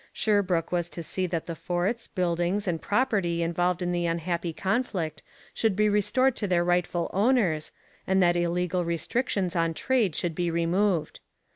Sherbrooke was to see that the forts, buildings, and property involved in the unhappy conflict should be restored to their rightful owners, and that illegal restrictions on trade should be removed.